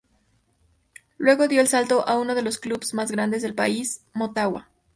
Luego dio el salto a uno de los clubes grandes del país: Motagua.